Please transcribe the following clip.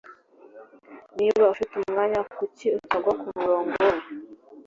Niba ufite umwanya kuki utagwa kumurongo we